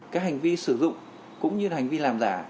các hành vi sử dụng cũng như là hành vi làm giả